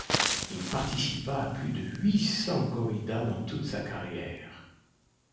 Il participa à plus de huit cents corridas dans toute sa carrière.